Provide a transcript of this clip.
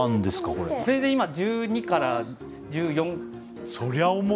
これで今１２から１４キロ。